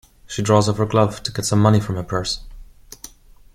She draws off her glove to get some money from her purse.